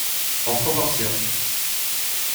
En proportion.